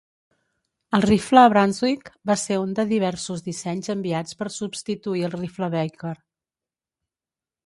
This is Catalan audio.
El rifle Brunswick va ser un de diversos dissenys enviats per substituir el rifle Baker.